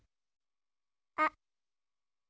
あっ。